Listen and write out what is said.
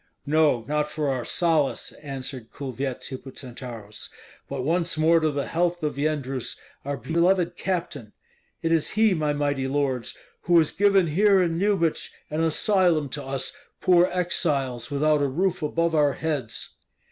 "No, not for our solace," answered Kulvyets Hippocentaurus, "but once more to the health of Yendrus, our beloved captain. It is he, my mighty lords, who has given here in Lyubich an asylum to us poor exiles without a roof above our heads."